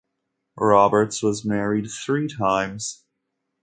Roberts was married three times.